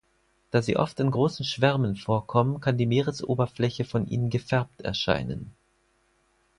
Da sie oft in großen Schwärmen vorkommen kann die Meeresoberfläche von ihnen gefärbt erscheinen.